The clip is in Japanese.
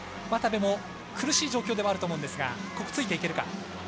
渡部も苦しい状況ではあると思いますがくっついていけるか。